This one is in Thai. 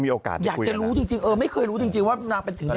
อยากจะรู้ถึงจริงเออเมื่อไม่รู้ถึงจริงว่ามันมาถึงทางไหน